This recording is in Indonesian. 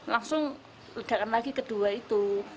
langsung ledakan lagi kedua itu